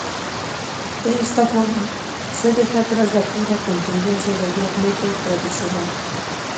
De esta forma, se deja atrás la cruda contundencia del black metal tradicional.